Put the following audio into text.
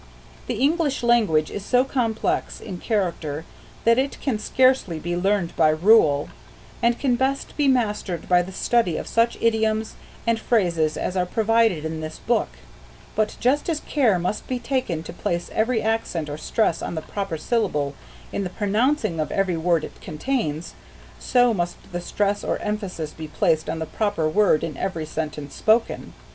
The English language is so complex in character that it can scarcely be learned by rule, and can best be mastered by the study of such idioms and phrases as are provided in this book; but just as care must be taken to place every accent or stress on the proper syllable in the pronouncing of every word it contains, so must the stress or emphasis be placed on the proper word in every sentence spoken.